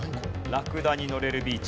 ラクダに乗れるビーチ。